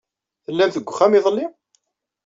Tellamt deg uxxam iḍelli?